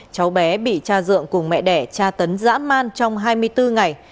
cháu bé bị cha dượng cùng mẹ đẻ tra tấn dã man trong hai mươi bốn ngày